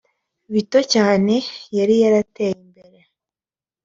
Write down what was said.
bito cyane yari yarateye imbere